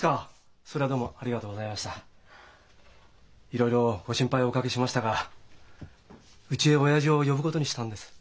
いろいろご心配をおかけしましたがうちへ親父を呼ぶことにしたんです。